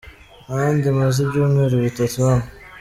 Nanjye maze ibyumweru bitatu hano.